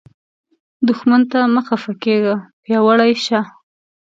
دښمن ته مه خفه کیږه، پیاوړی شه